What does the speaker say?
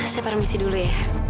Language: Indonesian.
saya parmiksi dulu ya